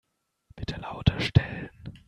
Bitte lauter stellen.